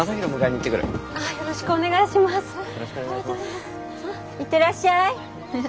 行ってらっしゃい。